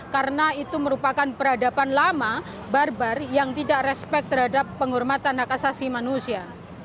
karena itu merupakan peradaban lama barbar yang tidak respek terhadap penghormatan akasasi manusia